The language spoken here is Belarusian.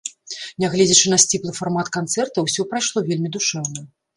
Нягледзячы на сціплы фармат канцэрта, усё прайшло вельмі душэўна.